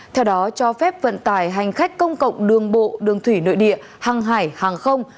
theo đó cho phép vận tải hành khách công cộng đường bộ đường thủy nội địa hàng hải hàng không